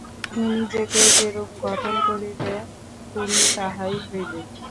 তুমি নিজেকে যেরূপ গঠন করিবে, তুমি তাহাই হইবে।